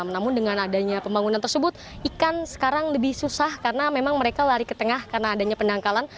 namun dengan adanya pembangunan tersebut ikan sekarang lebih susah karena memang mereka lari ke tengah karena adanya pendangkalan